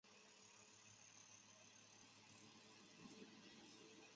阿陀斯是位于美国亚利桑那州莫哈维县的一个非建制地区。